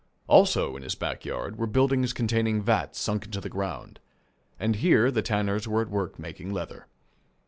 Also, in his back yard, were buildings containing vats sunk into the ground, and here the tanners were at work making leather.